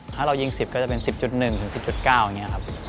ถ้าเรายิง๑๐ก็จะเป็น๑๐๑๑๐๙อย่างนี้ครับ